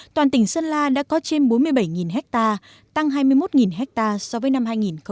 toàn tỉnh sơn la đã có trên bốn mươi bảy ha tăng hai mươi một ha so với năm hai nghìn một mươi